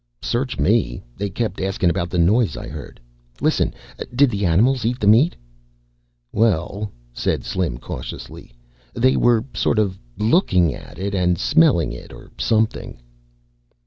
"Search me. They kept asking about the noise I heard. Listen, did the animals eat the meat?" "Well," said Slim, cautiously, "they were sort of looking at it and smelling it or something."